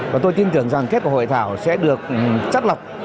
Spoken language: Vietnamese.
và tôi tin tưởng rằng kết quả hội thảo sẽ được chất lọc